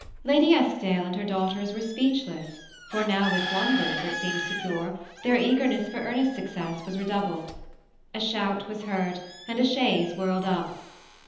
Lady Eskdale And her daughters were speechless, for now that one Beaufort seemed secure, their eagerness for Ernest's aucoess«was redoubled. A shout was heard, and a chaise whirled up.